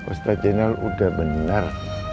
ustaz jainal udah benar